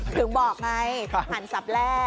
ถึงบอกไงหั่นสับแร่